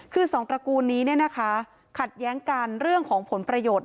คือสองตระกูลนี้ขัดแย้งกันเรื่องของผลประโยชน์